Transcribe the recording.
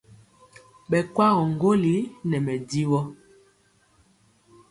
Ɓɛ kwagɔ ŋgolli nɛ mɛdivɔ.